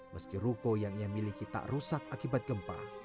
meski ruko yang ia miliki tak rusak akibat gempa